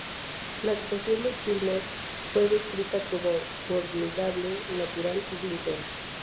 La actuación de Kilmer fue descrita como "formidable, natural y sincera".